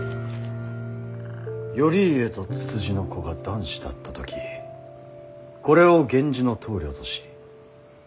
「頼家とつつじの子が男子だった時これを源氏の棟梁とし乳